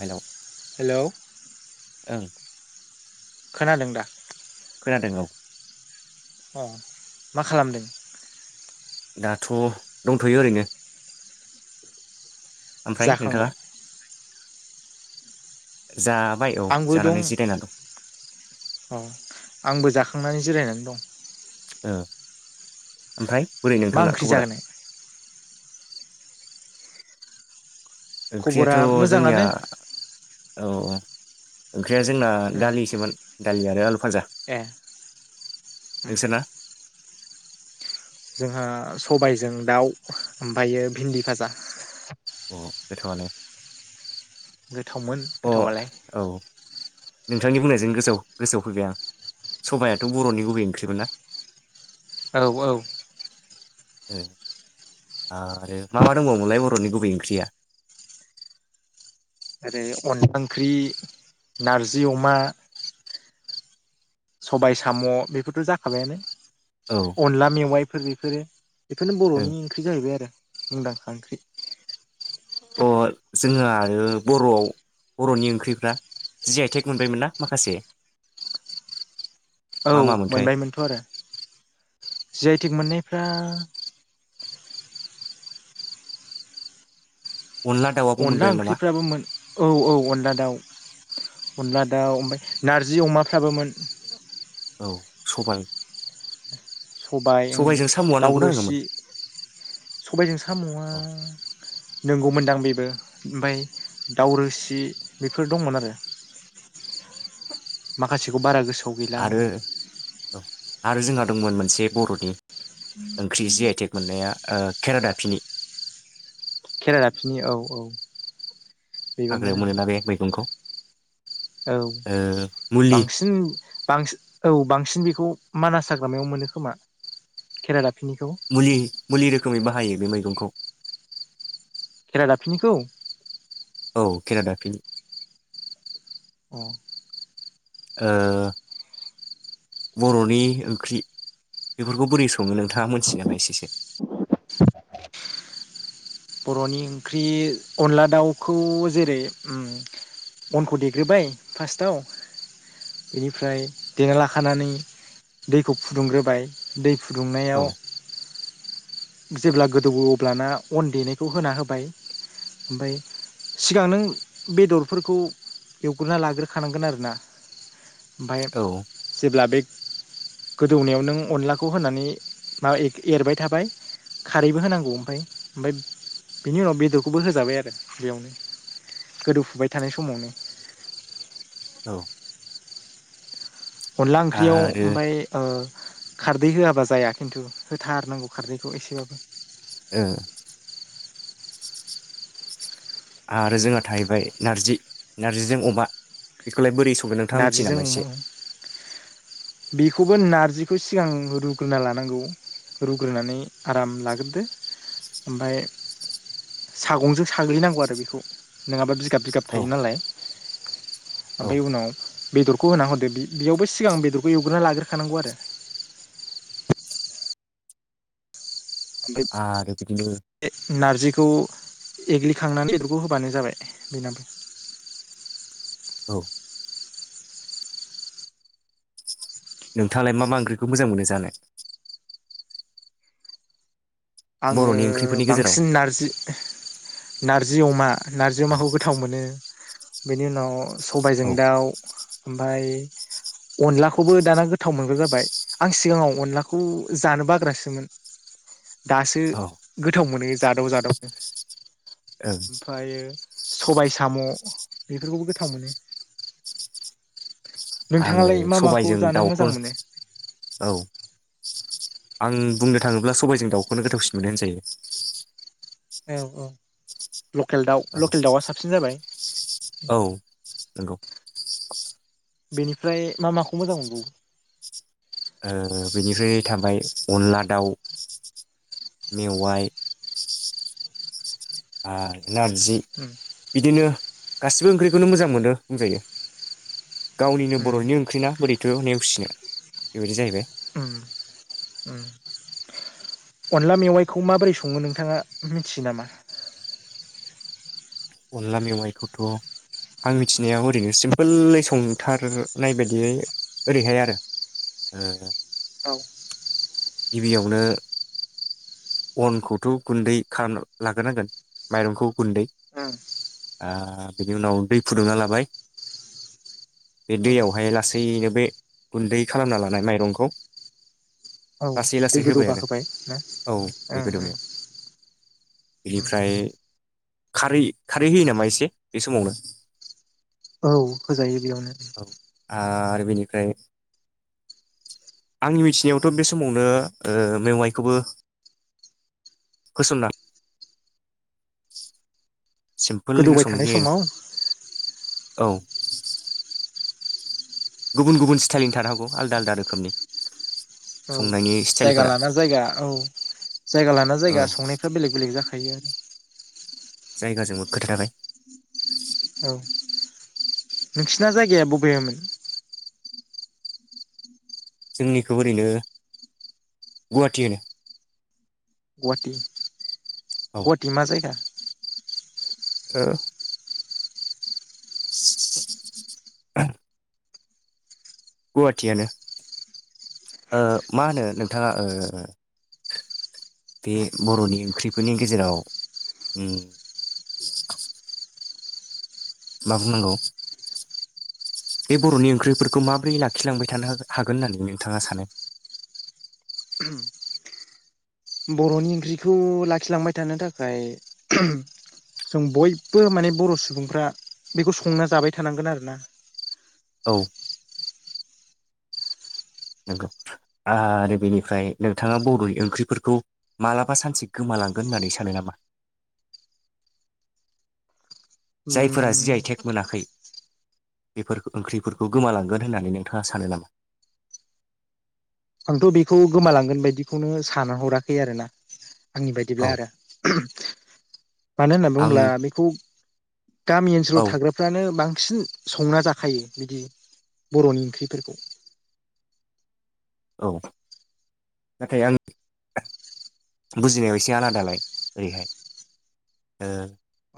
Hello hello ओं खोनादों दा? खोनादों औ। अ मा खालामदों? दाथ दंथ'यो ओरैनो। ओमफ्राय नोंथाङा? जाखांबाय जाबाय औ आंबो दं। जानानै जिरायना दं अ आंबो जाखांनानै ज जिरायनानै दं। ओ ओमफ्राय बोरै मा नोंथांना ओंख्रि खबरा? जाहोनाय ओंख्रियाथ खबरा जोंनिया मोजाङानो औ। ओ ख्रिया जोंना उम दालिसोमोन। दालि आरो आलु फाजा। ए उम नोंसोर ना? जोंहा सबाइजों दाउ ओमफ्रायो भिन्दि भाजा। अ गोथावानो। गोथावमोन गोथावालाय। औ नोंथांनि बुंनायजों गोसोआव-गोसोआव फैबाय आं सबाइयाथ' बर'नि गुबै ओंख्रिमोन ना? औ औ। आरो मा मा दंबावोमोनलाय बर'नि गुबै ओंख्रिया। ओरै अनला ओंख्रि नारजि अमा। सबाय साम' बेफोरथ' जाखाबायानो। औ अनला मेवाइ। बेफोर बेफोरो। बेफोरनो बर'नि ओंख्रि जाहैबाय आरो। मुंदांखा ओख्रि। अ जोंहा आरो बर'आव बर'नि ओंख्रिफ्रा जि आइथेक मोनबायमोन ना माखासे। औ मा मामोनथाय मोनबायमोनथ' आरो जि आइ थटिक मोननाय। फ्रा। अनला दाउआबो अनला मोनबायमोन नामा ओंख्रिफ्राबोमोन औ औ अनला दाउ। अनदला दाउ ओमफ्राय नारजि अमाफ्राबोमोन। औ सबाय। सबायओ सबायजों साम'आ दाउ नंगौना नङामोन रोसि सबायजों साम'आ औ नंगौमोनदां बे। ओमफ्राय दाउरोसि बेफोर दंमोन आरो माखासेखौ बारा गोसोआव। गैला आरो आंबो ओम। आरो जोंहा दंमोन मोनसे बर'नि ओंख्रि जि आइटेक मोननाया केराडापिनि। केरालाफिनि औ औ। बेबोमोन हाग्रायाव ओं मोनोना बे मैगंखौ। औ ओ मुलि बांसिन। बांसिन औ बांसिन बेखौ मानास हाग्रामायाव मोनो खोमा केराला। मुलि मुलिरो। रोखोमै बाहायो बे मैगंखौ। खेला दाफनिखौ। औ केराडाफिनि। अ। ओ बर'नि ओंख्रि बेफोरखौ बोरै सङो नोंथाङा मोनथियो नामा एसेसो। बर'नि ओंख्रि अनला दाउखौ जेरै ओम अनखौ देग्रोबाय फार्स्टआव बेनिफ्राय देना लाखानानै दैखौ फुदुंग्रोबाय दै। औ फुदुंनायाव। जेब्ला गोदौवो अब्लाना अन देनाय। बेखौ होना होबाय ओमफ्राय सिगां नों बेदरफोरखौ एवग्रोना लाग्रोखानांगोन आरोना। ओमफ्राय औ जेब्ला बे। गोदौनायाव नों अनलाखौ होनानै माबा एरबाय थाबाय खारैबो होनांगौ ओमफाय ओमफ्राय। बेनि उनाव बेदरखौबो होजाबाय आरो बेयावनो गोदौफुबाय थानाय समावनो। औ। अनला ओंख्रियाव आरो ओमफ्राय ओ खारदै होआबा जाया खिन्थु होथारनांगौ खारदैखौ एसेबाबो ओ आरो जोंहा थाहैबाय नारजि नारजि जों अमा बेखोलाय बोरै सं गोन नोंथांआ नारजिजों मिथियोनामा अमा इसे बेखौबो नारजिखौ सिगां रुग्रोना लानांगौ रुग्रोनानै आराम लाग्रोदो ओमफाय सागंजों साग्लिनांगौ आरो बेखौ नोङाबा बिगाब बिगाब औ थायो नालाय। औ ओमफाय उनाव बेदरखौ होना होदो बि बेयावबो सिगां बेदर एवग्रोना लाग्रोखानांगौ आरो। ओमफ्राय आरो बिदिनो नारजिखौ एग्लिखांनानै बेदरखौ होबानो जाबाय बेनाबो। औ। नोंथाङालाय मा मा ओंख्रिखौ मोजां मोनो जानो। आङो बर'नि ओंख्रिफोरनि गेजेराव बांसिन नारजि नार जि अमा। नारजि औ अमाखौ गोथाव मोनो। बेनि उनाव सबायजों औ दाउ ओमफाय अनलाखौबो दाना गोथाव मोनग्रा जाबाय आं सिगाङाव अनलाखौ जानो बाग्रासोमोन। दासो औ ओं गोथाव मोनो। जादाव जादावनो। ओमफ्रायो सबाय साम' बेफोरखौबो गोथाव मोनो। आङो नोंथाङालाय मा माखौ सबायजों जानो दाउखौ मोजां मोनो? औ। आं बुंनो थाङोब्ला सबायजों दाउखौनो गोथावसिन मोनो होनजायो। औ औ। लकेल दाउ लकेल दाउआ साबसिन जाबाय औ औ नंगौ। [unintelligible] बेनिफ्राय मा माखौ मोजां मोनबावो? बेनिफ्राय थाबाय अनला दाउ मेवाय आरो नारजि उम बिदिनो गासिबो ओंख्रिखौनो मोजां मोनो बुंजायो। गावनिनो उम बर'नि ओंख्रिना बोरै थ' नेवसिनो बेबायदि जाहैबाय। उम उम अनला मेवाइखौ माबोरै सङो नोंथाङा मिथियो नामा अनला मेवाइखौथ' आं मिथिनायाव ओरैनो सिम्पोलै संथारनाय बायदियै ओरैहाय आरो ओ औ गिबियावनो अनखौथ' गुन्दै खालामना लाग्रोनांगोन माइरंखौ गुन्दै उम ओ बिनि उनाव दै फुदुंना लाबाय बे उम दैयावहाय लासैनो बे गुन्दै खालामना लानाय माइरंखौ औ लासै दै लासै होबाय गोदौबा आरो ना औ बे ओं ओं गोदौनायाव उम बेनिफ्राय खारै खारै होयो नामा एसे बे समावनो? औ होजायो बेयावनो। आर बेनिफ्राय आंनि मिथिनायावथ' बे समावनो ओ मेवाइखौबो होसनना सिम्पोलैनो गोदौबाय संनाय थानाय जायो आरो समाव औ। गुबुन गुबुन स्टाइलनि थानो हागौ आलदा आलदा रोखोमनि। औ संनायनि जायगा स्टाइलफोरा लाना जायगा औ जायगा लाना औ जायगा संनायफ्रा बेलेग बेलेग जाखायो। आरो जायगाजोंबो खोथा थाबाय। औ नोंसिना जायगाया बबेयामोन? जोंनिखौ ओरैनो गुवाहाटि होनो। गवाहाटि। औ गवाटि मा जायगा? ओं [unintelligible] गुवाहाटियानो ओ मा होनो नोंथाङा ओ बे बर'नि ओंख्रिफोरनि गेजेराव ओं मा बुंनांगौ बे बर'नि ओंख्रिफोरखौ माबोरै लाखिलांबाय थानो हा-हागोन होननानै नोंथाङा सानो? बर'नि ओंख्रिखौ लाखिलांबाय थानो थाखाय जों बयबो माने बर' सुबुंफ्रा बेखौ संना जाबाय थानांगोन आरोना। औ। नंगौ आरो बेनिफ्राय नोंथाङा बर'नि ओंख्रिफोरखौ मालाबा सानसे गोमालांगोन होननानै सानो नामा? जायफोरा जि उम आइ टेग मोनाखै बेफोर ओंख्रिफोरखौ गोमालांगोन होननानै नोंथाङा सानो नामा? आंथ' बेखौ गोमालांगोन बायदिखौनो सान हराखै आरोना। आंनि औ बायदिब्ला आरो मानो होननानै आं बुङोब्ला बेखौ गामि ओनसोलाव औ थाग्राफ्रानो बां बांसिन संना जाखायो बिदि बर'नि ओंख्रिफोरखौ। औ नाथाय आं बुजिनायाव एसे आलादालाय ओरैहाय। ओ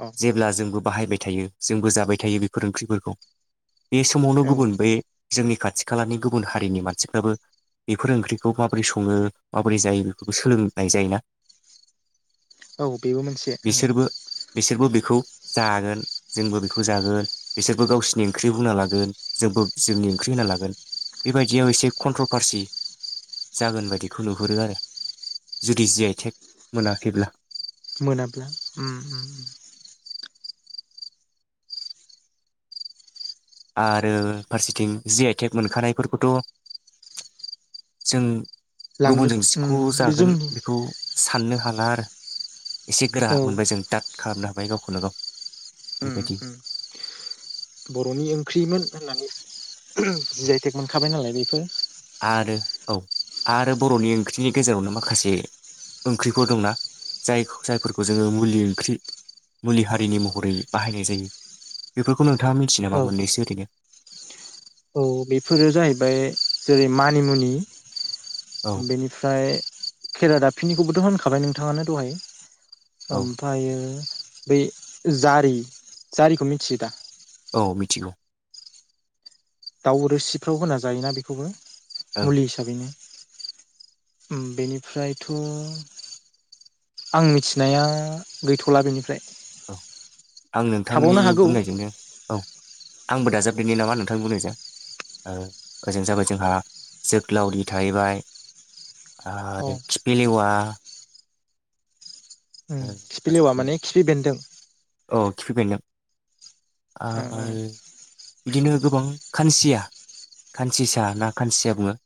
औ जेब्ला जोंबो बाहायबाय थायो जोंबो जाबाय थायो बेफोर ओंख्रिफोरखौ। बे समावनो औ गुबुन बे जोंनि खाथि खालानि गुबुन हारिनि मानसिफ्राबो बेफोर ओंख्रिखौ माबोरै सङो माबोरै जायो बेफोरखौ सोलोंनाय जायोना। औ बेबो मोनसे। बिसोरबो बिसोरबो बेखौ जागोन जोंबो बेखौ जागोन बिसोरबो गावसोरनि ओंख्रि बुंना लागोन जोंबो जोंनि ओंख्रि होना लागोन बेबायदियाव एसे कन्ट्रभारसि जागोन बायदिखौ नुहुरो आरो जुदि जि आइ टेग मोनाखैब्ला। मोनाब्ला उम आरो फारसेथिं जि आइ टेक मोनखानायफोरखौथ जों लांनो गुबुनजों सिख उम बे जागोन जोंनि खौ साननो खालार एसे गोरा औ मोनबाय जों दाद खालामना [unintelligible] गावखौल गाव उम बेबायदि उम बरनि ओं ख्रिमोन होननानै जि आइ टेक मोनखाबाय नालाय बे थो आरो औ आरो बर'नि ओंख्रिनि गेजेरावनो माखासे ओंख्रिफोर दंना जाय जायफोरखौ जोंङो मुलि ओंख्रि मुलि हारिनि महरै बाहायनाय जायो बेफोरखौ नो नोंथाङा मिथियो औ नामा मोननैसो ओरैनो? औ बेफोरो जाहैबाय जेरै मानिमुनि औ बेनिफ्राय खरादाफिनिखौबोथ होनखाबाय नोंथाङानो दहाय। औ ओमफायो बै जारि जारिखौ मिथियो दा? औ मिथिगौ दाउ रोसिफ्राव होना जायोना बेखौबो। ओं मुलि हिसाबैनो। उम बेनिफ्रायथ आं मिथिनाया गैथला बेनिफ्राय औ आं नोंथांनि थाबावनो हागौ बुंनायजोंनो औ आंबो दाजाबदेरनि नामा नोंथां बुंनायजों ओ ओजों जाबाय जोंहा जोग्लावरि थाहैबाय अ आरो खिफिलेवा उम ओ, खिफिलेवा फारसेथिं माने खिफि बेन्दों। औ खिफि बेन्दों ओ आरो ओ बिदिनो गोबां खानसिया खानसिसा ना खानसिया बुङो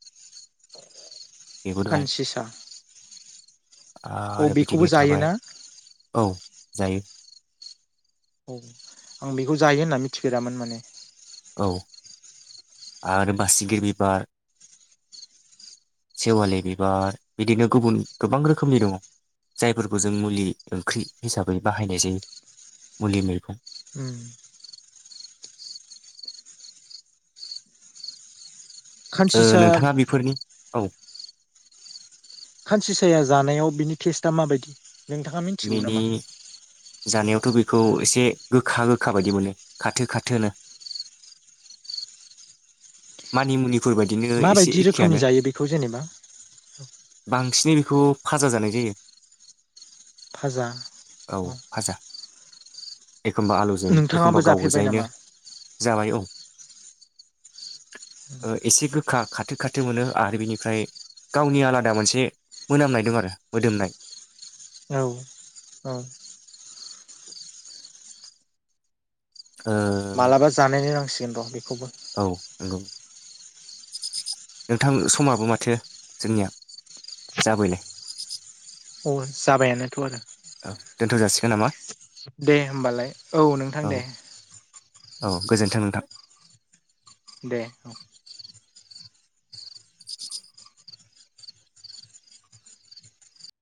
बेबो दं कानसिसा आरो बिदिनो थाबाय औ जायो। औ आं बेखौ जायो होनना मिथिफेरामोन माने। औ आरो बासिगि बिबार सेवालि बिबार बिदिनो गुबुन गोबां रोखोमनि दङ जायफोरखौ जों मुलि ओंख्रि हिसाबै बाहायनाय जायो मुलि मैगं। उम। ओ खानसिसा नोंथाङा बेफोरनि औ। खानसिसाया जानायाव बिनि टेस्टआ माबायदि? नोंथाङा मिथिगौ बेनि नामा जानायावथ' बेखौ एसे। गोखा गोखा बायदि मोनो खाथो खाथोनो। मानि मुनि। मा बायदि रोखोमनि जायो बेखौ जेनेबा? बांसिनै बेखौ फाजा जानाय जायो। फाजा औ उम। भाजा एखमबा आलुजों एखमबा गाव जाफेरबाय गोजायैनो नामा जाबाय औ। ओ एसे गोखा। खाथो खाथो मोनो आरो बिनिफ्राय गावनि आलादा मोनसे मोनामनाय दं आरो मोदोमनाय। औ औ। ओ मालाबा जानाय नायनांसि [unintelligible] औ नंगौ। नोंथां समाबो माथो जोंनिया जाबायलाय। अ जाबायानोथ' आरो। दोनथ' जासिगोन नामा। दे होमबालाय औ नोंथां औ दे। औ गोजोन्थों नोंथां दे औ। [unintelligible]